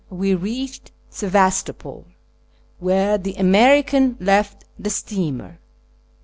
we reached Sebastopol, where the American left the steamer.